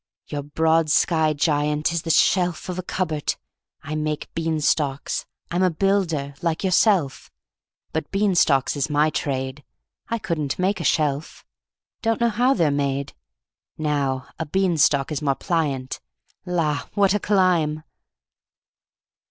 Your broad sky, Giant, Is the shelf of a cupboard; I make bean stalks, I'm A builder, like yourself, But bean stalks is my trade, I couldn't make a shelf, Don't know how they're made, Now, a bean stalk is more pliant La, what a climb!